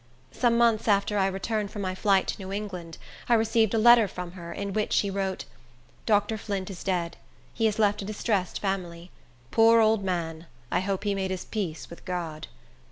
Some months after I returned from my flight to New England, I received a letter from her, in which she wrote, "Dr. Flint is dead. He has left a distressed family. Poor old man! I hope he made his peace with God."